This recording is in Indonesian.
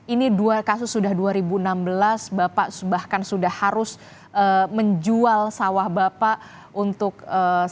ini dua kasus sudah dua ribu enam belas bapak bahkan sudah harus menjual sawah bapak untuk